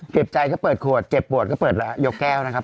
ใจก็เปิดขวดเจ็บปวดก็เปิดแล้วยกแก้วนะครับ